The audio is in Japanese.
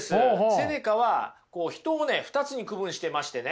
セネカはこう人を２つに区分してましてね